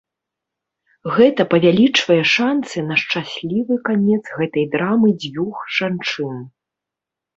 Гэта павялічвае шанцы на шчаслівы канец гэтай драмы дзвюх жанчын.